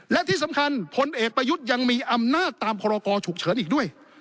และที่สำคัญพลเอกประยุทธ์ยังมีอำนาจตามพรกรฉุกเฉินอีกด้วย